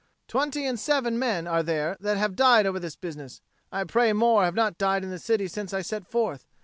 Twenty and seven men are there that have died over this business. I pray more have not died in the city since I set forth.